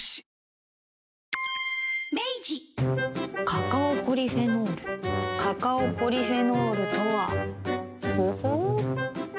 カカオポリフェノールカカオポリフェノールとはほほう。